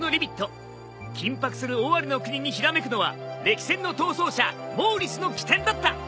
緊迫するオワリの国にひらめくのは歴戦の逃走者モーリスの機転だった。